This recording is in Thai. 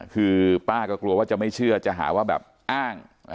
คือป้าก็กลัวว่าจะไม่เชื่อจะหาว่าแบบอ้าง